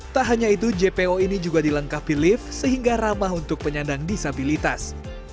tak hanya itu jpo ini juga dilengkapi lift sehingga ramah untuk penyandang disabilitas